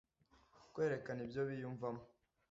kwerekana ibyo biyumvamo,